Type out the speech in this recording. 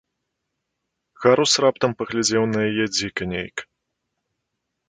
Гарус раптам паглядзеў на яе дзіка нейк.